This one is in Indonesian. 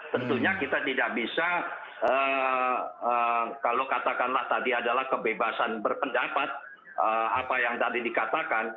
tentunya kita tidak bisa kalau katakanlah tadi adalah kebebasan berpendapat apa yang tadi dikatakan